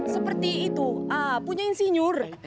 seperti itu punya insinyur